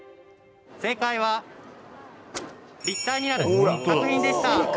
正解は、立体になるでした。